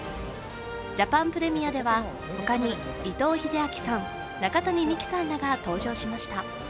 ジャパンプレミアでは他に伊藤英明さん中谷美紀さんらが登場しました。